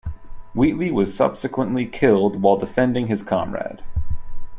Wheatley was subsequently killed while defending his comrade.